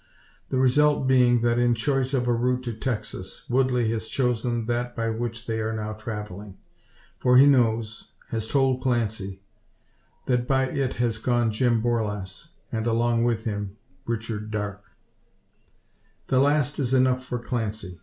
The result being, that in choice of a route to Texas, Woodley has chosen that by which they are now travelling. For he knows has told Clancy that by it has gone Jim Borlasse, and along with him Richard Darke. The last is enough for Clancy.